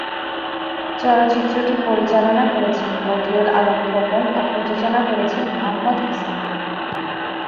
চলচ্চিত্রটি পরিচালনা করেছেন বদিউল আলম খোকন ও প্রযোজনা করেছেন মোহাম্মদ হোসেন।